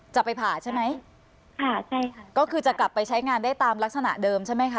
จะไปผ่าใช่ไหมผ่าใช่ค่ะก็คือจะกลับไปใช้งานได้ตามลักษณะเดิมใช่ไหมคะ